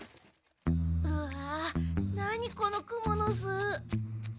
うわなにこのクモのす！